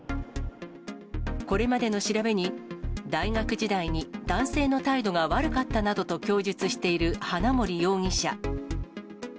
これまでの調べに、大学時代に男性の態度が悪かったなどと供述している花森容疑者。